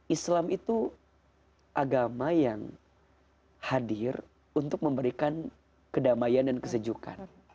islam itu agama yang hadir untuk memberikan kedamaian dan kesejukan